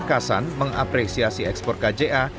kasan mengapresiasi ekspor kja